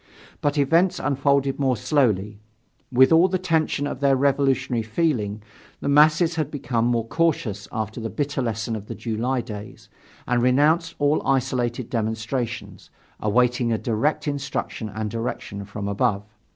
But events unfolded more slowly. With all the tension of their revolutionary feeling, the masses had become more cautious after the bitter lesson of the July days, and renounced all isolated demonstrations, awaiting a direct instruction and direction from above.